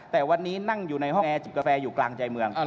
แต่วันนี้นั่งอยู่ในห้องแอร์จิบกาแฟอยู่กลางใจเมือง